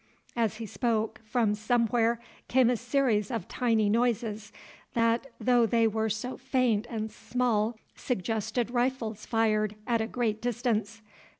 As he spoke, from somewhere came a series of tiny noises, that, though they were so faint and small, suggested rifles fired at a great distance.